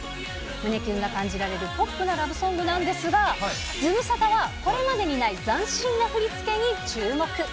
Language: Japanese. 胸きゅんな感じのポップなラブソングなんですが、ズムサタは、これまでにない斬新な振り付けに注目。